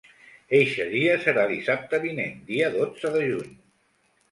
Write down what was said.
Eixe dia serà dissabte vinent, dia dotze de juny.